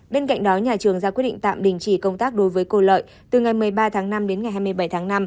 bên cạnh đó nhà trường ra quyết định tạm đình chỉ công tác đối với cô lợi từ ngày một mươi ba tháng năm đến ngày hai mươi bảy tháng năm